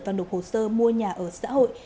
và đục hồ sơ mua nhà ở xã hội